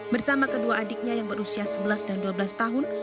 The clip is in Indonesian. bersama kedua adiknya yang berusia sebelas dan dua belas tahun